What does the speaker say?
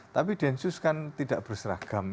tapi densus kan tidak berseragam